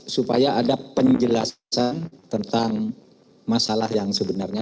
supaya ada penjelasan tentang masalah yang sebenarnya